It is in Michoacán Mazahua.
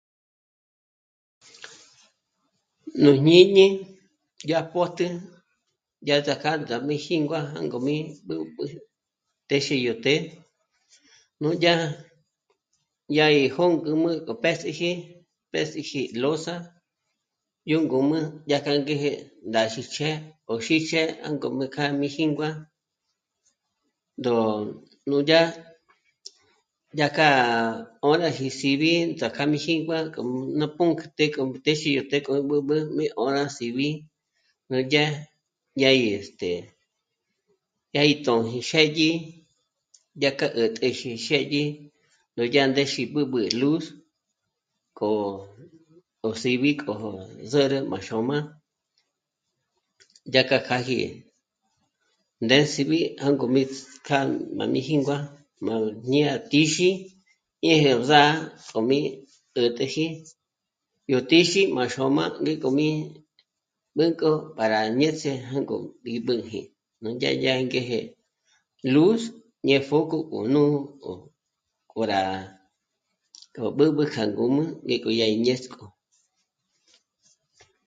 Nú jñîñi yá pö́tjü yá tsák'a mí jíngua jângo mí b'ǚb'ǚ téxe yó të́'ë núdya yá gí jóngǔm'ü gó pés'eji, pés'eji loza yó ngǔm'ü dyá k'a ngéje ndá xíchje o xíchje jângo mí kjâ'a mí jíngua ndó'o... núdya, yá k'a 'óraji síbi ts'ák'a mí jíngua k'o ná pǔnk'ū të́'ë k'e... téxe yó të́'ë k'o mí b'ǚb'ü mí 'óra síb'i núdya, yá gí..., este, yá gí tṓji xë́dyi yá k'á ä̀täji xë́dyi, núdya ndéxi b'ǚb'ü luz k'o, k'o síb'i k'o zǚrü má xôm'a, dyá k'a k'âji ndénsib'i jângo mí kjâ'a má mí jíngua ñyá tíxi ñéjyo zá'a k'o mí 'ä̀täji yó tíxi má xôm'a ngék'o mí bǚnk'o para ñéts'e jângo mí b'ǚji núdya, yá ngéje luz ñya pjóko nú k'o rá k'o b'ǚb'ü kjá ngǔm'ü ngék'o yá gí ñéts'k'o